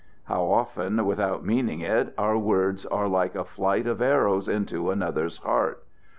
How often, without meaning it, our words are like a flight of arrows into another's heart.